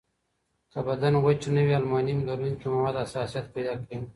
که بدن وچ نه وي، المونیم لرونکي مواد حساسیت پیدا کوي.